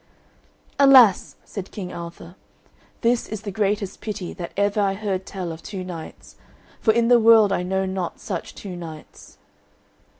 "Alas!" said King Arthur; "this is the greatest pity that ever I heard tell of two knights, for in the world I know not such two knights."